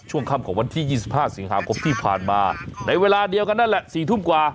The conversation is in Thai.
ช่วงค่ำของวันที่๒๕สิงหาคมที่ผ่านมาในเวลาเดียวกันนั่นแหละ๔ทุ่มกว่า